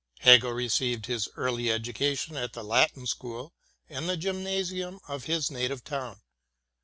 Hegel received his early education at the Latin School and the Gymnasium of his native town.